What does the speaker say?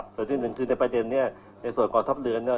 ส่วนที่นึงคือในประเด็นเนี่ยในส่วนกรทบเรือนเนี่ย